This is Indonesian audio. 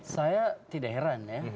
saya tidak heran ya